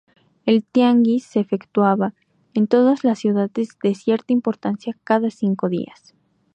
El tianguis se efectuaba en todas las ciudades de cierta importancia cada cinco días.